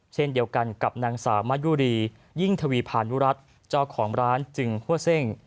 เช่นเดียวกันกับนางสาวมะยุรียิ่งทวีพานุรัติเจ้าของร้านจึงหัวเซ่ง